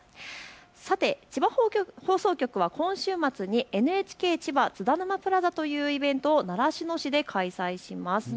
千葉放送局は今週末にＮＨＫ千葉津田沼プラザというイベントを習志野市で開催します。